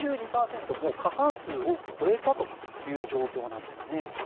もう過半数を超えたという状況なんですね。